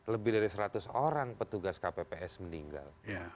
lebih dari seratus orang petugas kpps meninggal